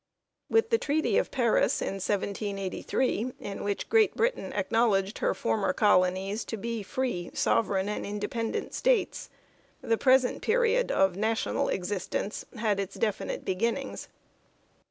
With the Treaty of Paris of 1783, in which Great Britain acknowledged her former colonies to be "free, sovereign, and independent States," the present period of national existence had its definite beginnings.